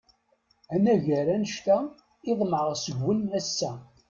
Anagar annect-a i ḍemɛeɣ seg-wen ass-a.